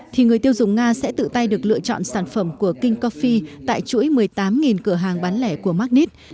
thì người tiêu dùng nga sẽ tự tay được lựa chọn sản phẩm của king coffee tại chuỗi một mươi tám cửa hàng bán lẻ của magnet